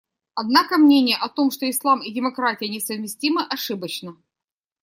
Однако мнение о том, что Ислам и демократия несовместимы, ошибочно.